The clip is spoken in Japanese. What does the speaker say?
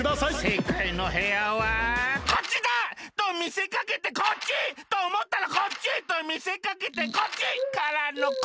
せいかいの部屋はこっちだ！とみせかけてこっち！とおもったらこっち！とみせかけてこっち！からのこっちだ！